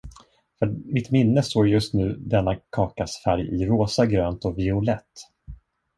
För mitt minne står just nu denna kakas färg i rosa, grönt och violett.